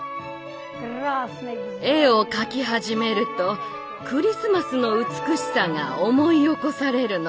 絵を描き始めるとクリスマスの美しさが思い起こされるの。